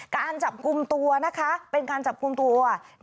การจับกลุ่มตัวนะคะเป็นการจับกลุ่มตัว